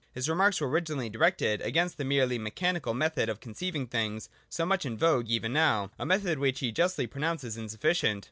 His remarks were originally directed against that merely me chanical method of conceiving things so much in vogue even now ; a method which he justly pronounces insufficient.